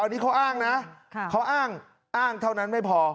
อันนี้เขาอ้างนะเขาอ้างอ้างเท่านั้นไม่พอ